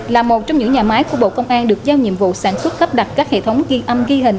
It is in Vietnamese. là một trong những nhà máy của bộ công an được giao nhiệm vụ sản xuất lắp đặt các hệ thống ghi âm ghi hình